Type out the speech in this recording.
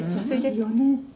「私４年生」